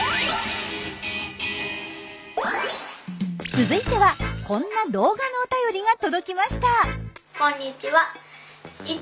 続いてはこんな動画のお便りが届きました。